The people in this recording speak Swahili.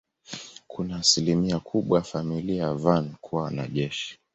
Kuna asilimia kubwa ya familia ya Van kuwa wanajeshi.